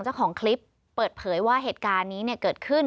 เจ้าของคลิปเปิดเผยว่าเหตุการณ์นี้เกิดขึ้น